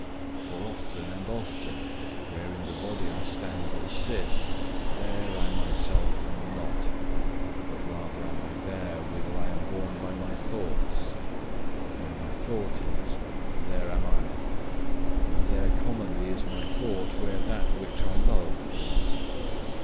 For often and often, where in the body I stand or sit, there I myself am not; but rather am I there, whither I am borne by my thoughts. Where my thought is, there am I; and there commonly is my thought where that which I love is.